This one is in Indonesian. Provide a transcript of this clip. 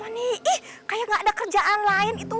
nih ih kaya gak ada kerjaan lain itu